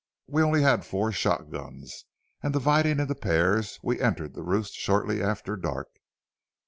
We only had four shotguns, and, dividing into pairs, we entered the roost shortly after dark.